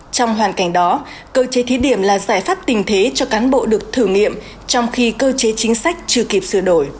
trong hoàn cảnh đó cơ chế thí điểm là giải pháp tình thế cho cán bộ được thử nghiệm trong khi cơ chế chính sách chưa kịp sửa đổi